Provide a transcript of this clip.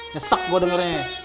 nyesek gue dengernya